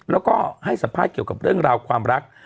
แล้วก็ให้สัมภาษณ์เกี่ยวกับเรื่องราวความรัก